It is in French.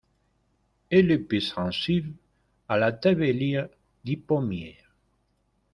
Elle est peu sensible à la tavelure du pommier.